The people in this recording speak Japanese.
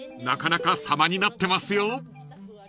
なかなか様になってますよ］